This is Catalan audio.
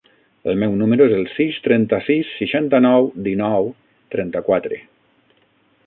El meu número es el sis, trenta-sis, seixanta-nou, dinou, trenta-quatre.